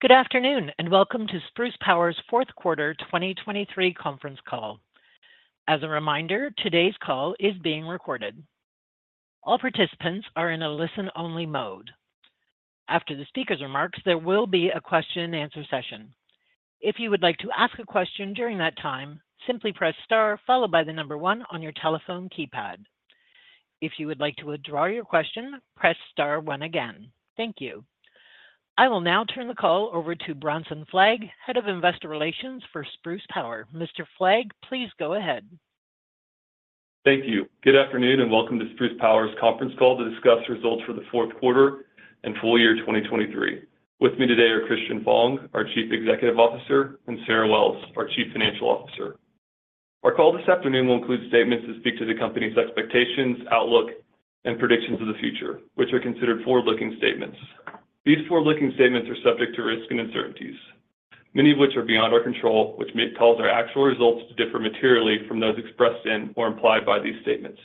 Good afternoon and welcome to Spruce Power's fourth quarter 2023 conference call. As a reminder, today's call is being recorded. All participants are in a listen-only mode. After the speaker's remarks, there will be a question-and-answer session. If you would like to ask a question during that time, simply press star followed by the number one on your telephone keypad. If you would like to withdraw your question, press star one again. Thank you. I will now turn the call over to Bronson Fleig, Head of Investor Relations for Spruce Power. Mr. Fleig, please go ahead. Thank you. Good afternoon and welcome to Spruce Power's conference call to discuss results for the fourth quarter and full year 2023. With me today are Christian Fong, our Chief Executive Officer, and Sarah Wells, our Chief Financial Officer. Our call this afternoon will include statements that speak to the company's expectations, outlook, and predictions of the future, which are considered forward-looking statements. These forward-looking statements are subject to risk and uncertainties, many of which are beyond our control, which may cause our actual results to differ materially from those expressed in or implied by these statements.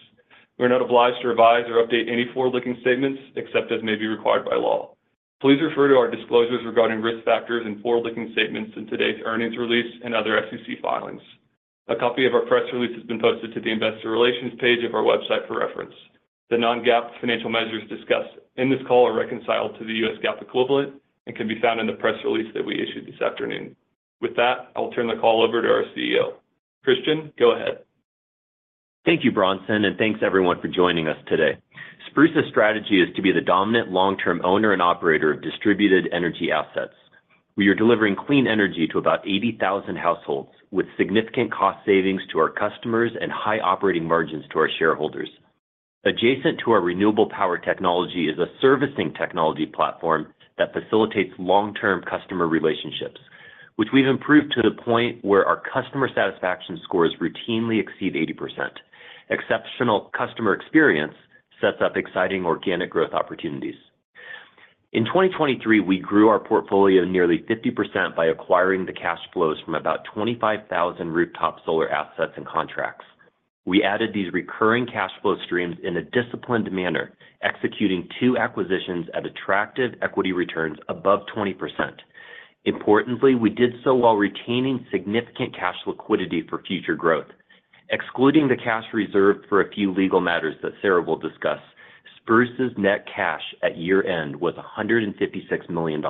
We are not obliged to revise or update any forward-looking statements except as may be required by law. Please refer to our disclosures regarding risk factors and forward-looking statements in today's earnings release and other SEC filings. A copy of our press release has been posted to the Investor Relations page of our website for reference. The non-GAAP financial measures discussed in this call are reconciled to the U.S. GAAP equivalent and can be found in the press release that we issued this afternoon. With that, I will turn the call over to our CEO. Christian, go ahead. Thank you, Bronson, and thanks everyone for joining us today. Spruce's strategy is to be the dominant long-term owner and operator of distributed energy assets. We are delivering clean energy to about 80,000 households with significant cost savings to our customers and high operating margins to our shareholders. Adjacent to our renewable power technology is a servicing technology platform that facilitates long-term customer relationships, which we've improved to the point where our customer satisfaction scores routinely exceed 80%. Exceptional customer experience sets up exciting organic growth opportunities. In 2023, we grew our portfolio nearly 50% by acquiring the cash flows from about 25,000 rooftop solar assets and contracts. We added these recurring cash flow streams in a disciplined manner, executing two acquisitions at attractive equity returns above 20%. Importantly, we did so while retaining significant cash liquidity for future growth. Excluding the cash reserved for a few legal matters that Sarah will discuss, Spruce's net cash at year-end was $156 million.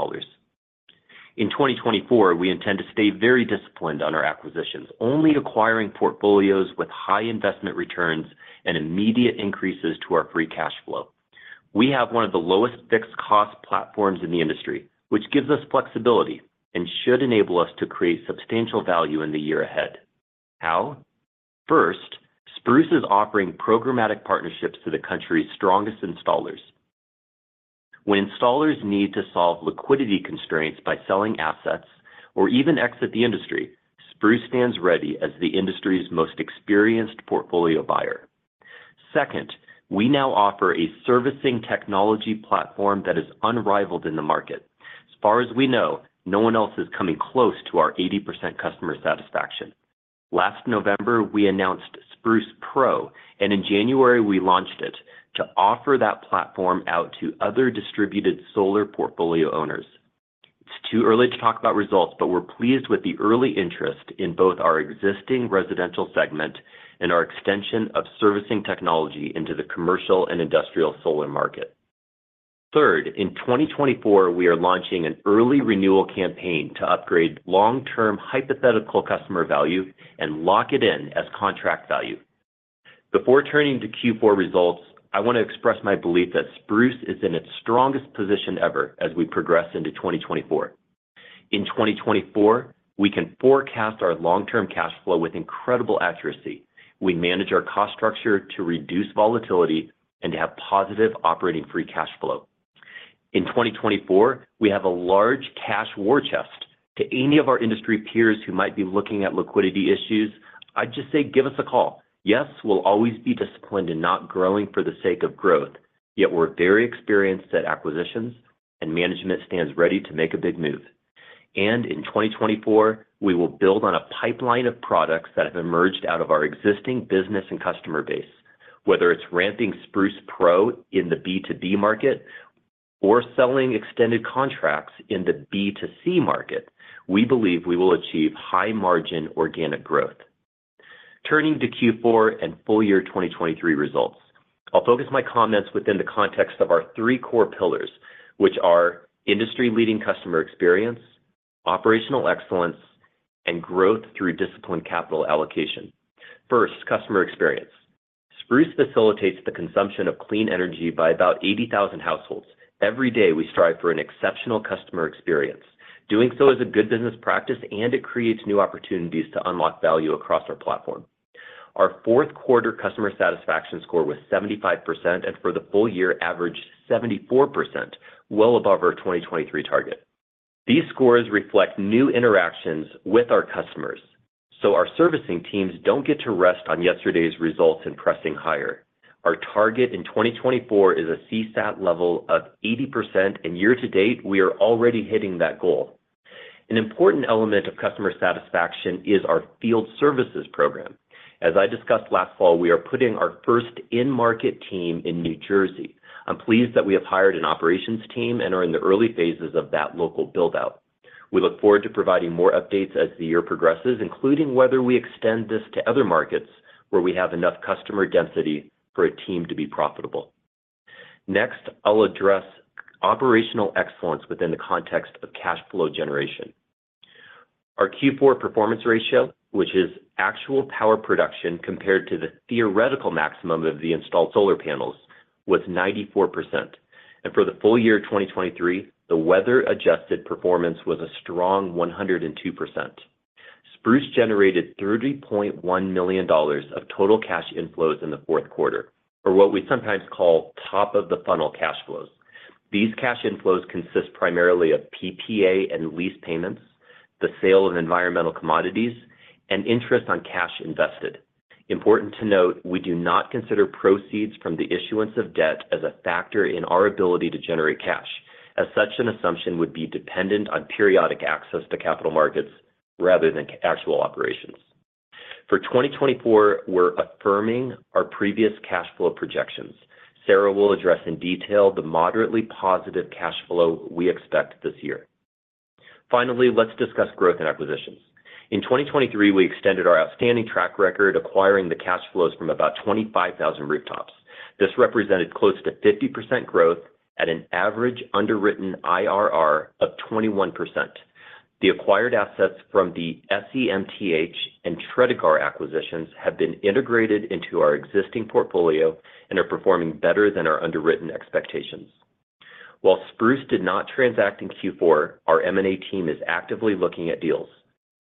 In 2024, we intend to stay very disciplined on our acquisitions, only acquiring portfolios with high investment returns and immediate increases to our free cash flow. We have one of the lowest fixed-cost platforms in the industry, which gives us flexibility and should enable us to create substantial value in the year ahead. How? First, Spruce is offering programmatic partnerships to the country's strongest installers. When installers need to solve liquidity constraints by selling assets or even exit the industry, Spruce stands ready as the industry's most experienced portfolio buyer. Second, we now offer a servicing technology platform that is unrivaled in the market. As far as we know, no one else is coming close to our 80% customer satisfaction. Last November, we announced Spruce Pro, and in January, we launched it to offer that platform out to other distributed solar portfolio owners. It's too early to talk about results, but we're pleased with the early interest in both our existing residential segment and our extension of servicing technology into the commercial and industrial solar market. Third, in 2024, we are launching an early renewal campaign to upgrade long-term hypothetical customer value and lock it in as contract value. Before turning to Q4 results, I want to express my belief that Spruce is in its strongest position ever as we progress into 2024. In 2024, we can forecast our long-term cash flow with incredible accuracy. We manage our cost structure to reduce volatility and to have positive operating free cash flow. In 2024, we have a large cash war chest. To any of our industry peers who might be looking at liquidity issues, I'd just say give us a call. Yes, we'll always be disciplined in not growing for the sake of growth, yet we're very experienced at acquisitions, and management stands ready to make a big move. In 2024, we will build on a pipeline of products that have emerged out of our existing business and customer base. Whether it's ramping Spruce Pro in the B2B market or selling extended contracts in the B2C market, we believe we will achieve high-margin organic growth. Turning to Q4 and full year 2023 results, I'll focus my comments within the context of our three core pillars, which are industry-leading customer experience, operational excellence, and growth through disciplined capital allocation. First, customer experience. Spruce facilitates the consumption of clean energy by about 80,000 households. Every day, we strive for an exceptional customer experience. Doing so is a good business practice, and it creates new opportunities to unlock value across our platform. Our fourth quarter customer satisfaction score was 75%, and for the full year, averaged 74%, well above our 2023 target. These scores reflect new interactions with our customers, so our servicing teams don't get to rest on yesterday's results and pressing higher. Our target in 2024 is a CSAT level of 80%, and year-to-date, we are already hitting that goal. An important element of customer satisfaction is our field services program. As I discussed last fall, we are putting our first in-market team in New Jersey. I'm pleased that we have hired an operations team and are in the early phases of that local buildout. We look forward to providing more updates as the year progresses, including whether we extend this to other markets where we have enough customer density for a team to be profitable. Next, I'll address operational excellence within the context of cash flow generation. Our Q4 performance ratio, which is actual power production compared to the theoretical maximum of the installed solar panels, was 94%. For the full year 2023, the weather-adjusted performance was a strong 102%. Spruce generated $3.1 million of total cash inflows in the fourth quarter, or what we sometimes call top-of-the-funnel cash flows. These cash inflows consist primarily of PPA and lease payments, the sale of environmental commodities, and interest on cash invested. Important to note, we do not consider proceeds from the issuance of debt as a factor in our ability to generate cash, as such an assumption would be dependent on periodic access to capital markets rather than actual operations. For 2024, we're affirming our previous cash flow projections. Sarah will address in detail the moderately positive cash flow we expect this year. Finally, let's discuss growth and acquisitions. In 2023, we extended our outstanding track record, acquiring the cash flows from about 25,000 rooftops. This represented close to 50% growth at an average underwritten IRR of 21%. The acquired assets from the SunE MTH and Tredegar acquisitions have been integrated into our existing portfolio and are performing better than our underwritten expectations. While Spruce did not transact in Q4, our M&A team is actively looking at deals.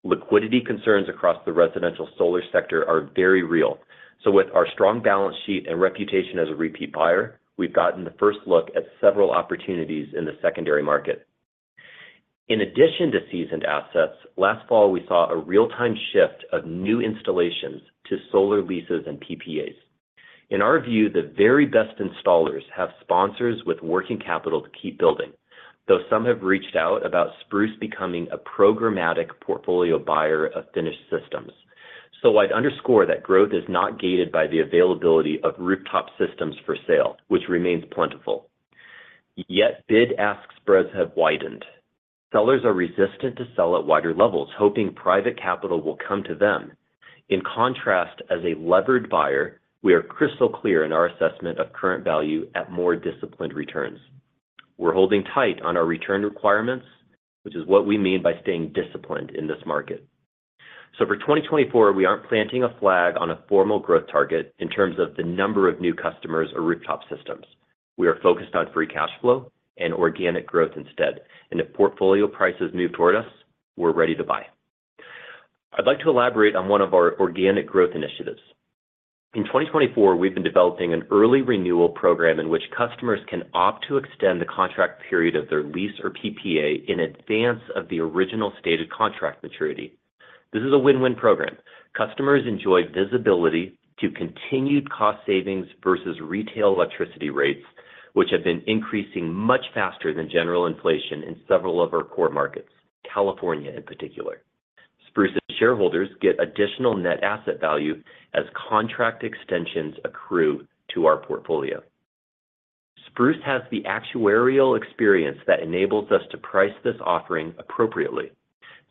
Liquidity concerns across the residential solar sector are very real, so with our strong balance sheet and reputation as a repeat buyer, we've gotten the first look at several opportunities in the secondary market. In addition to seasoned assets, last fall, we saw a real-time shift of new installations to solar leases and PPAs. In our view, the very best installers have sponsors with working capital to keep building, though some have reached out about Spruce becoming a programmatic portfolio buyer of finished systems. So I'd underscore that growth is not gated by the availability of rooftop systems for sale, which remains plentiful. Yet bid-ask spreads have widened. Sellers are resistant to sell at wider levels, hoping private capital will come to them. In contrast, as a levered buyer, we are crystal clear in our assessment of current value at more disciplined returns. We're holding tight on our return requirements, which is what we mean by staying disciplined in this market. So for 2024, we aren't planting a flag on a formal growth target in terms of the number of new customers or rooftop systems. We are focused on free cash flow and organic growth instead. And if portfolio prices move toward us, we're ready to buy. I'd like to elaborate on one of our organic growth initiatives. In 2024, we've been developing an early renewal program in which customers can opt to extend the contract period of their lease or PPA in advance of the original stated contract maturity. This is a win-win program. Customers enjoy visibility to continued cost savings versus retail electricity rates, which have been increasing much faster than general inflation in several of our core markets, California in particular. Spruce's shareholders get additional net asset value as contract extensions accrue to our portfolio. Spruce has the actuarial experience that enables us to price this offering appropriately.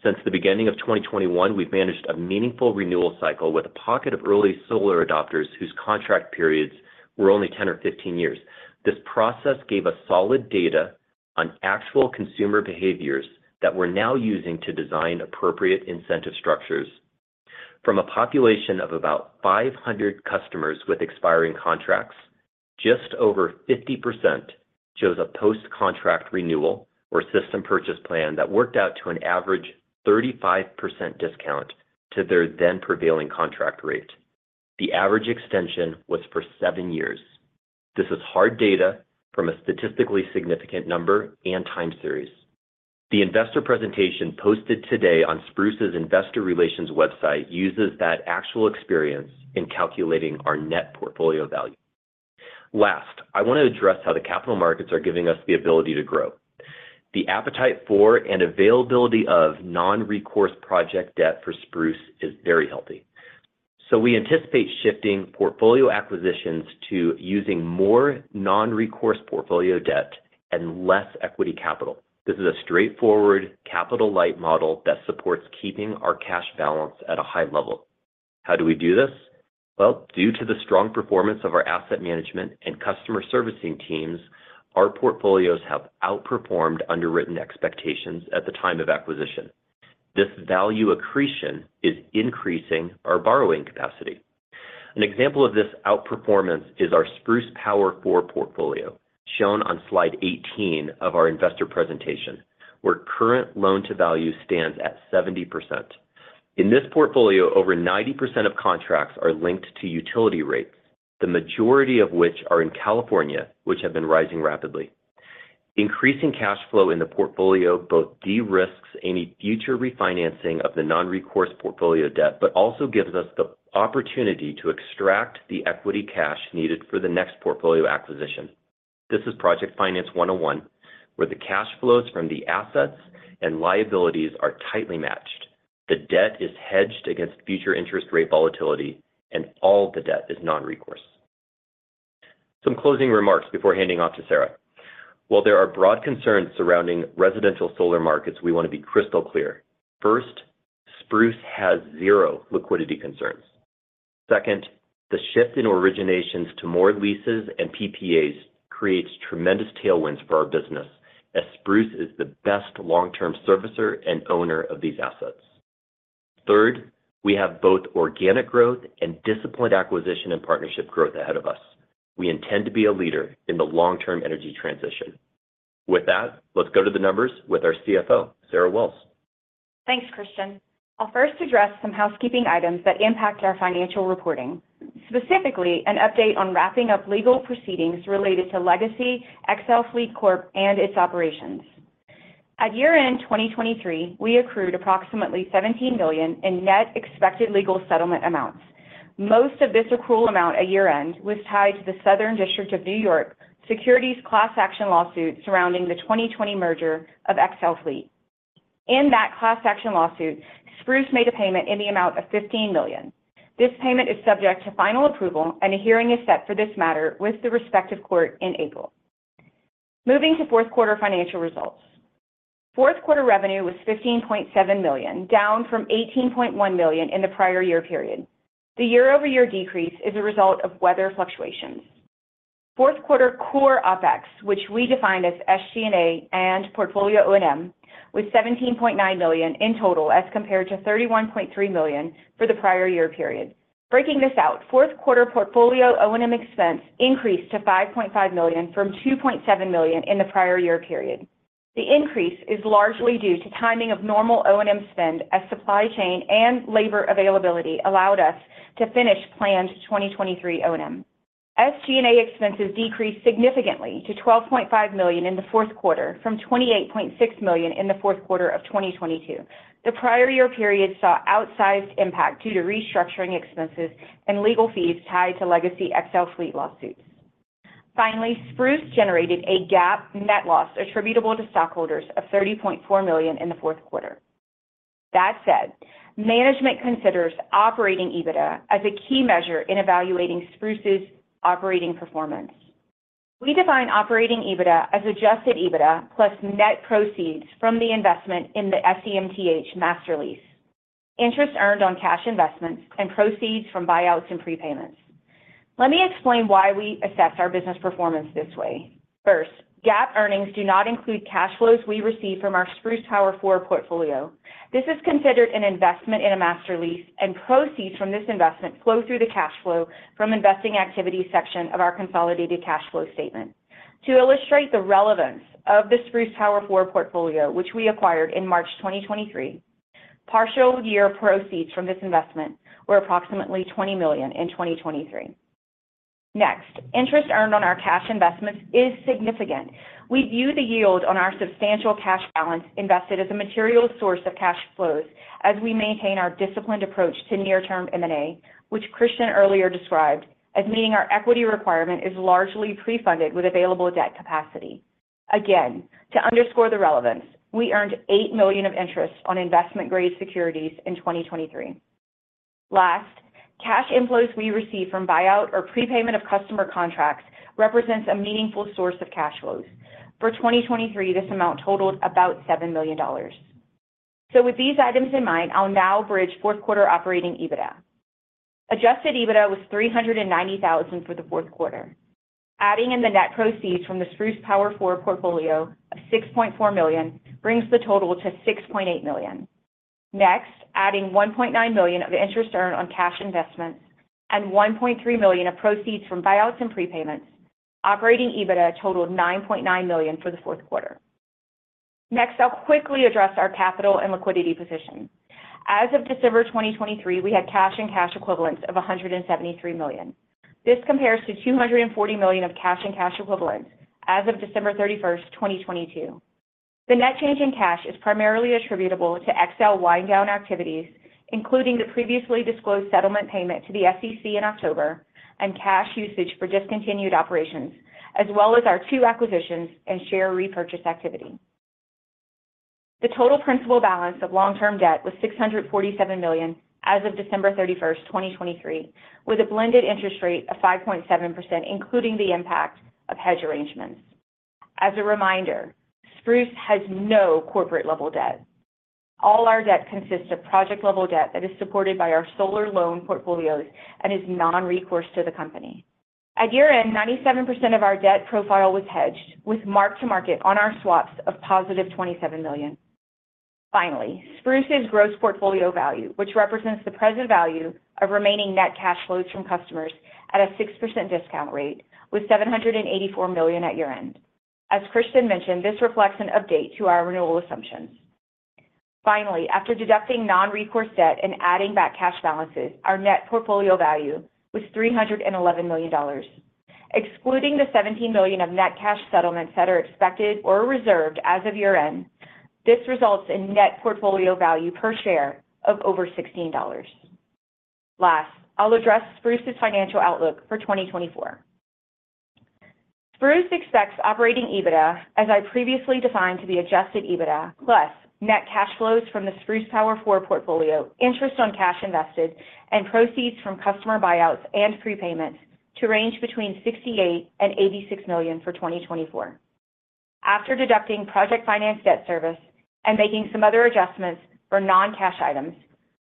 Since the beginning of 2021, we've managed a meaningful renewal cycle with a pocket of early solar adopters whose contract periods were only 10 or 15 years. This process gave us solid data on actual consumer behaviors that we're now using to design appropriate incentive structures. From a population of about 500 customers with expiring contracts, just over 50% chose a post-contract renewal or system purchase plan that worked out to an average 35% discount to their then-prevailing contract rate. The average extension was for seven years. This is hard data from a statistically significant number and time series. The investor presentation posted today on Spruce's Investor Relations website uses that actual experience in calculating our net portfolio value. Last, I want to address how the capital markets are giving us the ability to grow. The appetite for and availability of non-recourse project debt for Spruce is very healthy. So we anticipate shifting portfolio acquisitions to using more non-recourse portfolio debt and less equity capital. This is a straightforward, capital-light model that supports keeping our cash balance at a high level. How do we do this? Well, due to the strong performance of our asset management and customer servicing teams, our portfolios have outperformed underwritten expectations at the time of acquisition. This value accretion is increasing our borrowing capacity. An example of this outperformance is our Spruce Power 4 portfolio, shown on slide 18 of our investor presentation, where current loan-to-value stands at 70%. In this portfolio, over 90% of contracts are linked to utility rates, the majority of which are in California, which have been rising rapidly. Increasing cash flow in the portfolio both de-risks any future refinancing of the non-recourse portfolio debt but also gives us the opportunity to extract the equity cash needed for the next portfolio acquisition. This is Project Finance 101, where the cash flows from the assets and liabilities are tightly matched. The debt is hedged against future interest rate volatility, and all the debt is non-recourse. Some closing remarks before handing off to Sarah. While there are broad concerns surrounding residential solar markets, we want to be crystal clear. First, Spruce has zero liquidity concerns. Second, the shift in originations to more leases and PPAs creates tremendous tailwinds for our business, as Spruce is the best long-term servicer and owner of these assets. Third, we have both organic growth and disciplined acquisition and partnership growth ahead of us. We intend to be a leader in the long-term energy transition. With that, let's go to the numbers with our CFO, Sarah Wells. Thanks, Christian. I'll first address some housekeeping items that impact our financial reporting, specifically an update on wrapping up legal proceedings related to legacy XL Fleet Corp and its operations. At year-end 2023, we accrued approximately $17 million in net expected legal settlement amounts. Most of this accrual amount at year-end was tied to the Southern District of New York securities class action lawsuit surrounding the 2020 merger of XL Fleet. In that class action lawsuit, Spruce made a payment in the amount of $15 million. This payment is subject to final approval, and a hearing is set for this matter with the respective court in April. Moving to fourth quarter financial results. Fourth quarter revenue was $15.7 million, down from $18.1 million in the prior year period. The year-over-year decrease is a result of weather fluctuations. Fourth quarter Core OpEx, which we defined as SG&A and portfolio O&M, was $17.9 million in total as compared to $31.3 million for the prior year period. Breaking this out, fourth quarter portfolio O&M expense increased to $5.5 million from $2.7 million in the prior year period. The increase is largely due to timing of normal O&M spend as supply chain and labor availability allowed us to finish planned 2023 O&M. SG&A expenses decreased significantly to $12.5 million in the fourth quarter from $28.6 million in the fourth quarter of 2022. The prior year period saw outsized impact due to restructuring expenses and legal fees tied to legacy XL Fleet lawsuits. Finally, Spruce generated a GAAP net loss attributable to stockholders of $30.4 million in the fourth quarter. That said, management considers Operating EBITDA as a key measure in evaluating Spruce's operating performance. We define Operating EBITDA as adjusted EBITDA plus net proceeds from the investment in the SunE MTH master lease, interest earned on cash investments, and proceeds from buyouts and prepayments. Let me explain why we assess our business performance this way. First, GAAP earnings do not include cash flows we receive from our Spruce Power 4 portfolio. This is considered an investment in a master lease, and proceeds from this investment flow through the cash flow from investing activities section of our consolidated cash flow statement. To illustrate the relevance of the Spruce Power 4 portfolio, which we acquired in March 2023, partial year proceeds from this investment were approximately $20 million in 2023. Next, interest earned on our cash investments is significant. We view the yield on our substantial cash balance invested as a material source of cash flows as we maintain our disciplined approach to near-term M&A, which Christian earlier described as meaning our equity requirement is largely pre-funded with available debt capacity. Again, to underscore the relevance, we earned $8 million of interest on investment-grade securities in 2023. Last, cash inflows we receive from buyout or prepayment of customer contracts represents a meaningful source of cash flows. For 2023, this amount totaled about $7 million. So with these items in mind, I'll now bridge fourth quarter Operating EBITDA. Adjusted EBITDA was $390,000 for the fourth quarter. Adding in the net proceeds from the Spruce Power 4 portfolio of $6.4 million brings the total to $6.8 million. Next, adding $1.9 million of interest earned on cash investments and $1.3 million of proceeds from buyouts and prepayments, Operating EBITDA totaled $9.9 million for the fourth quarter. Next, I'll quickly address our capital and liquidity position. As of December 2023, we had cash and cash equivalents of $173 million. This compares to $240 million of cash and cash equivalents as of December 31st, 2022. The net change in cash is primarily attributable to XL wind-down activities, including the previously disclosed settlement payment to the SEC in October and cash usage for discontinued operations, as well as our two acquisitions and share repurchase activity. The total principal balance of long-term debt was $647 million as of December 31st, 2023, with a blended interest rate of 5.7%, including the impact of hedge arrangements. As a reminder, Spruce has no corporate-level debt. All our debt consists of project-level debt that is supported by our solar loan portfolios and is non-recourse to the company. At year-end, 97% of our debt profile was hedged, with mark-to-market on our swaps of positive $27 million. Finally, Spruce's gross portfolio value, which represents the present value of remaining net cash flows from customers at a 6% discount rate, was $784 million at year-end. As Christian mentioned, this reflects an update to our renewal assumptions. Finally, after deducting non-recourse debt and adding back cash balances, our net portfolio value was $311 million. Excluding the $17 million of net cash settlements that are expected or reserved as of year-end, this results in net portfolio value per share of over $16. Last, I'll address Spruce's financial outlook for 2024. Spruce expects Operating EBITDA, as I previously defined to be adjusted EBITDA plus net cash flows from the Spruce Power 4 portfolio, interest on cash invested, and proceeds from customer buyouts and prepayments to range between $68 million-$86 million for 2024. After deducting project finance debt service and making some other adjustments for non-cash items,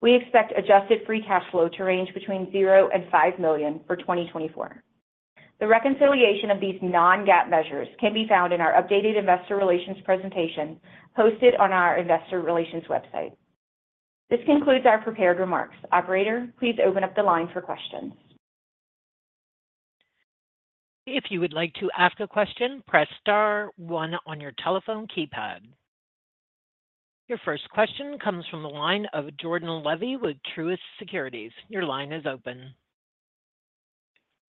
we expect Adjusted Free Cash Flow to range between $0 million-$5 million for 2024. The reconciliation of these non-GAAP measures can be found in our updated investor relations presentation posted on our investor relations website. This concludes our prepared remarks. Operator, please open up the line for questions. If you would like to ask a question, press star one on your telephone keypad. Your first question comes from the line of Jordan Levy with Truist Securities. Your line is open.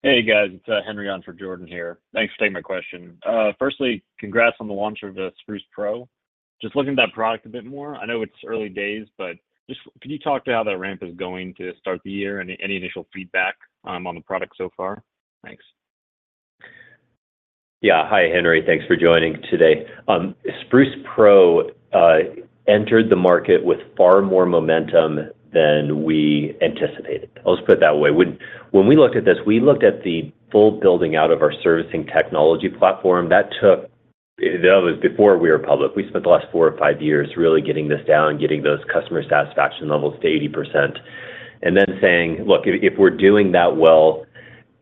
Hey, guys. It's Henry on from Jordan here. Thanks for taking my question. First, congrats on the launch of the Spruce Pro. Just looking at that product a bit more, I know it's early days, but could you talk to how that ramp is going to start the year and any initial feedback on the product so far? Thanks. Yeah. Hi, Henry. Thanks for joining today. Spruce Pro entered the market with far more momentum than we anticipated. I'll just put it that way. When we looked at this, we looked at the full building out of our servicing technology platform that was before we were public. We spent the last four or five years really getting this down, getting those customer satisfaction levels to 80%, and then saying, "Look, if we're doing that well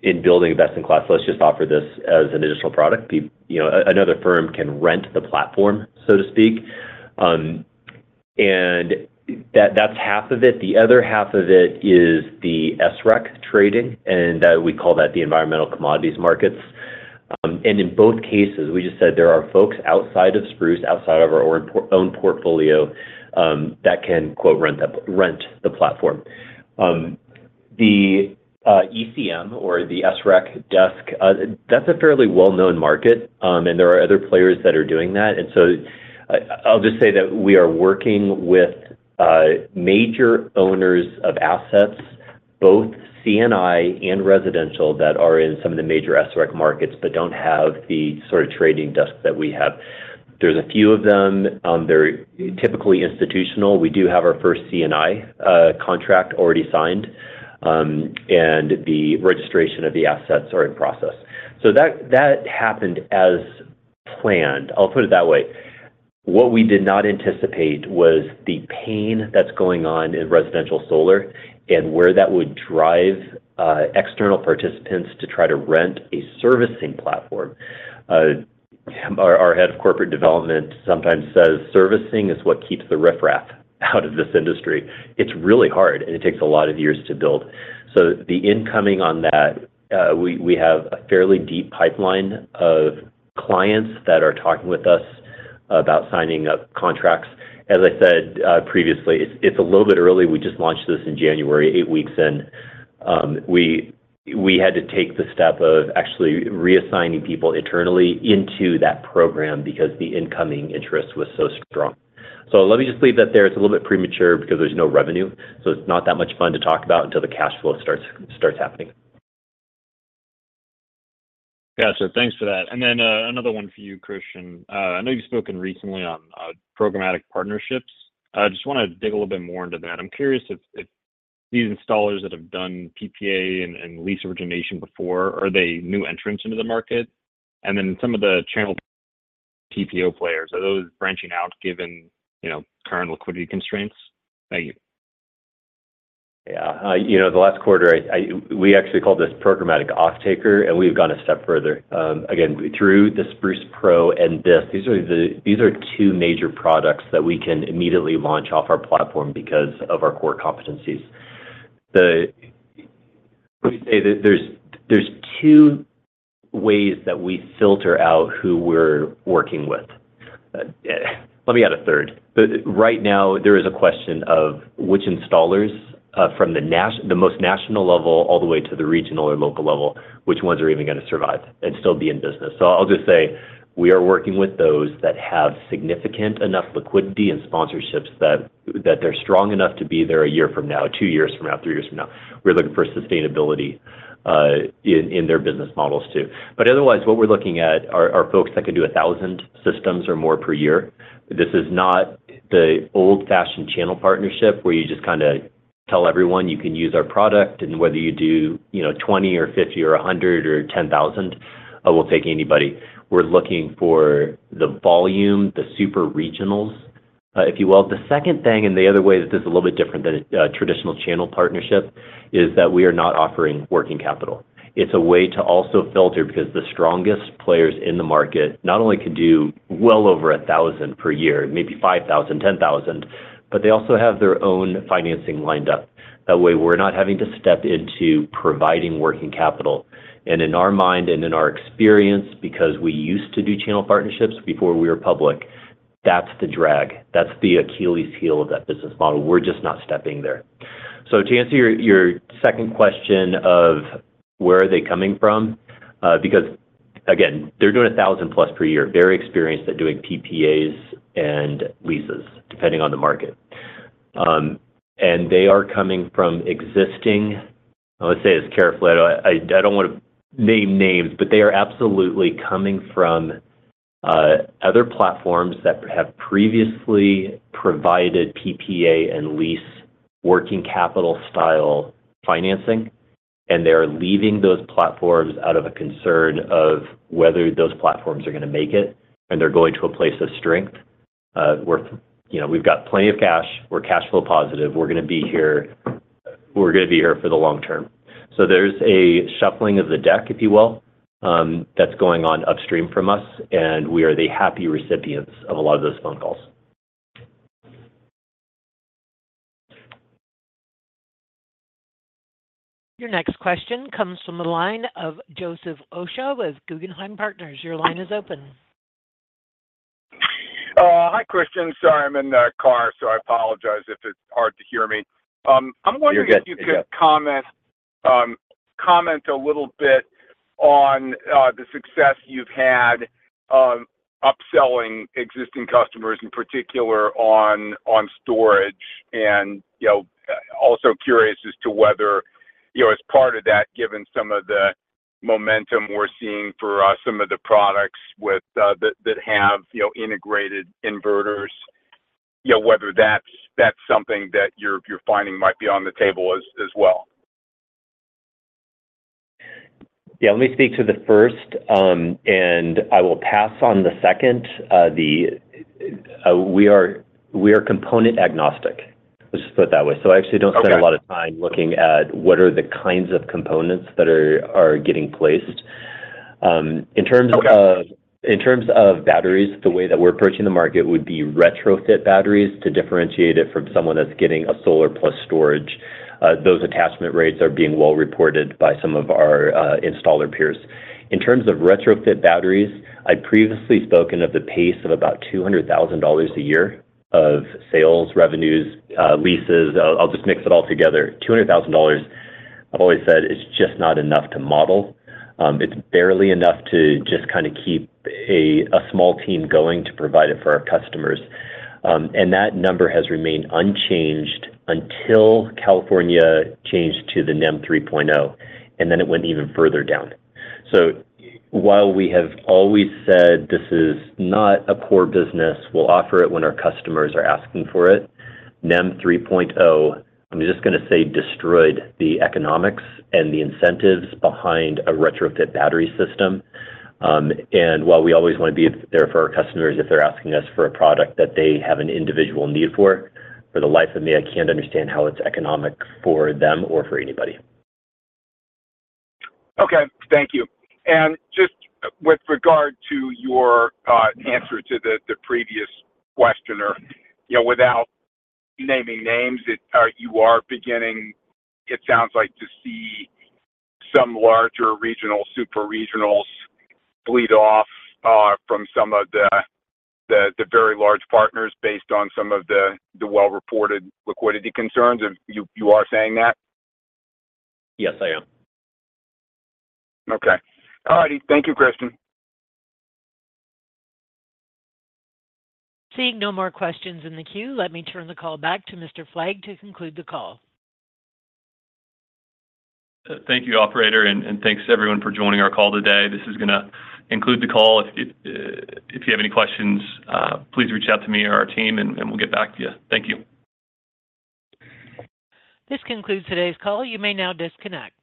in building the best-in-class, let's just offer this as an additional product." Another firm can rent the platform, so to speak. That's half of it. The other half of it is the SREC trading, and we call that the environmental commodities markets. In both cases, we just said there are folks outside of Spruce, outside of our own portfolio, that can "rent" the platform. The ECM or the SREC desk, that's a fairly well-known market, and there are other players that are doing that. So I'll just say that we are working with major owners of assets, both C&I and residential, that are in some of the major SREC markets but don't have the sort of trading desk that we have. There's a few of them. They're typically institutional. We do have our first C&I contract already signed, and the registration of the assets are in process. That happened as planned. I'll put it that way. What we did not anticipate was the pain that's going on in residential solar and where that would drive external participants to try to rent a servicing platform. Our head of corporate development sometimes says, "Servicing is what keeps the riffraff out of this industry." It's really hard, and it takes a lot of years to build. So the incoming on that, we have a fairly deep pipeline of clients that are talking with us about signing up contracts. As I said previously, it's a little bit early. We just launched this in January, 8 weeks in. We had to take the step of actually reassigning people internally into that program because the incoming interest was so strong. So let me just leave that there. It's a little bit premature because there's no revenue, so it's not that much fun to talk about until the cash flow starts happening. Gotcha. Thanks for that. And then another one for you, Christian. I know you've spoken recently on programmatic partnerships. I just want to dig a little bit more into that. I'm curious if these installers that have done PPA and lease origination before, are they new entrants into the market? And then some of the channel TPO players, are those branching out given current liquidity constraints? Thank you. Yeah. The last quarter, we actually called this programmatic off-taker, and we've gone a step further. Again, through the Spruce Pro and this, these are two major products that we can immediately launch off our platform because of our core competencies. Let me say that there's two ways that we filter out who we're working with. Let me add a third. Right now, there is a question of which installers from the most national level all the way to the regional or local level, which ones are even going to survive and still be in business. I'll just say we are working with those that have significant enough liquidity and sponsorships that they're strong enough to be there a year from now, two years from now, three years from now. We're looking for sustainability in their business models too. Otherwise, what we're looking at are folks that can do 1,000 systems or more per year. This is not the old-fashioned channel partnership where you just kind of tell everyone, "You can use our product, and whether you do 20 or 50 or 100 or 10,000, we'll take anybody." We're looking for the volume, the super regionals, if you will. The second thing and the other way that this is a little bit different than a traditional channel partnership is that we are not offering working capital. It's a way to also filter because the strongest players in the market not only can do well over 1,000 per year, maybe 5,000, 10,000, but they also have their own financing lined up. That way, we're not having to step into providing working capital. And in our mind and in our experience, because we used to do channel partnerships before we were public, that's the drag. That's the Achilles heel of that business model. We're just not stepping there. So to answer your second question of where are they coming from because, again, they're doing 1,000+ per year, very experienced at doing PPAs and leases, depending on the market. And they are coming from existing I'm going to say this carefully. I don't want to name names, but they are absolutely coming from other platforms that have previously provided PPA and lease working capital-style financing, and they are leaving those platforms out of a concern of whether those platforms are going to make it, and they're going to a place of strength. We've got plenty of cash. We're cash flow positive. We're going to be here. We're going to be here for the long term. So there's a shuffling of the deck, if you will, that's going on upstream from us, and we are the happy recipients of a lot of those phone calls. Your next question comes from the line of Joseph Osha with Guggenheim Partners. Your line is open. Hi, Christian. Sorry, I'm in the car, so I apologize if it's hard to hear me. I'm wondering if you could comment a little bit on the success you've had upselling existing customers, in particular on storage, and also curious as to whether, as part of that, given some of the momentum we're seeing for some of the products that have integrated inverters, whether that's something that you're finding might be on the table as well. Yeah. Let me speak to the first, and I will pass on the second. We are component agnostic. Let's just put it that way. So I actually don't spend a lot of time looking at what are the kinds of components that are getting placed. In terms of batteries, the way that we're approaching the market would be retrofit batteries to differentiate it from someone that's getting a solar-plus storage. Those attachment rates are being well-reported by some of our installer peers. In terms of retrofit batteries, I've previously spoken of the pace of about $200,000 a year of sales, revenues, leases. I'll just mix it all together. $200,000, I've always said, is just not enough to model. It's barely enough to just kind of keep a small team going to provide it for our customers. That number has remained unchanged until California changed to the NEM 3.0, and then it went even further down. So while we have always said this is not a core business, we'll offer it when our customers are asking for it, NEM 3.0, I'm just going to say, destroyed the economics and the incentives behind a retrofit battery system. And while we always want to be there for our customers if they're asking us for a product that they have an individual need for, for the life of me, I can't understand how it's economic for them or for anybody. Okay. Thank you. And just with regard to your answer to the previous questioner, without naming names, you are beginning, it sounds like, to see some larger regional super regionals bleed off from some of the very large partners based on some of the well-reported liquidity concerns. You are saying that? Yes, I am. Okay. All righty. Thank you, Christian. Seeing no more questions in the queue, let me turn the call back to Mr. Fleig to conclude the call. Thank you, operator, and thanks, everyone, for joining our call today. This is going to conclude the call. If you have any questions, please reach out to me or our team, and we'll get back to you. Thank you. This concludes today's call. You may now disconnect.